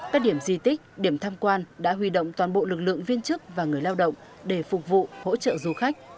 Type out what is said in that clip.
các điểm di tích điểm tham quan đã huy động toàn bộ lực lượng viên chức và người lao động để phục vụ hỗ trợ du khách